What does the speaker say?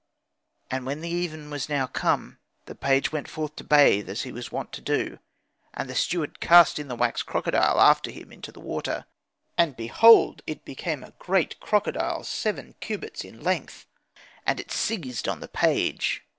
And when the even was now come, the page went forth to bathe as he was wont to do. And the steward cast in the wax crocodile after him into the water; and, behold! it became a great crocodile seven cubits in length, and it seized on the page.